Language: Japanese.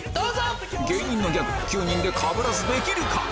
芸人のギャグ９人でかぶらずできるか？